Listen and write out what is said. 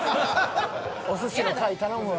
お寿司の回頼むわ。